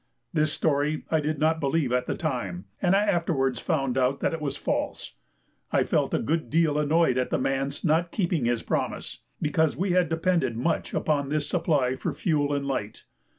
This story I did not believe at the time, and I afterwards found out that it was false. I felt a good deal annoyed at the man's not keeping his promise, because we had depended much upon this supply for fuel and light.